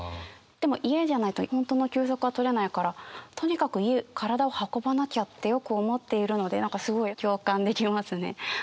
でも家じゃないと本当の休息は取れないからとにかく体を運ばなきゃってよく思っているので何かすごい共感できますね。